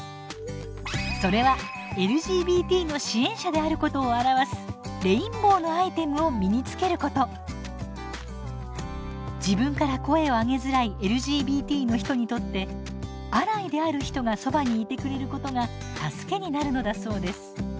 それはＬＧＢＴの支援者であることを表す自分から声をあげづらいＬＧＢＴの人にとってアライである人がそばにいてくれることが助けになるのだそうです。